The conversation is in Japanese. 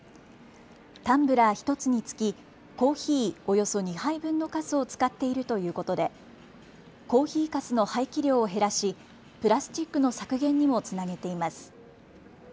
タンブラー１つにつきコーヒーおよそ２杯分のかすを使っているということでコーヒーかすの廃棄量を減らしプラスチックの削減にもつなげています。